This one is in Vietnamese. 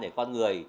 để con người